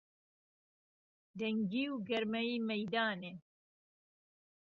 دهنگی و گەرمەی مهیدانێ